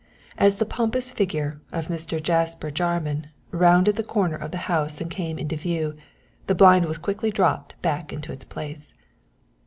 As the pompous figure of Mr. Jasper Jarman rounded the corner of the house and came into view, the blind was quickly dropped back into its place.